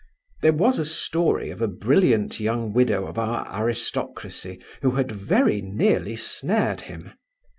There was a story of a brilliant young widow of our aristocracy who had very nearly snared him.